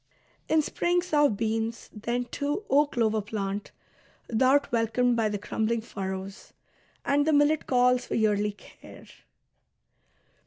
In spring sow beans ; then, too, O clover plant, Thou'rt welcomed by the crumbling furrows ; and The millet calls for yearly care."